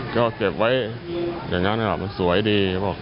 ก็เก็บไว้อย่างนั้นแหละมันสวยดี